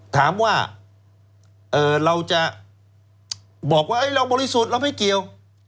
ถามว่าเราจะบอกว่าเราบริสุทธิ์เราไม่เกี่ยว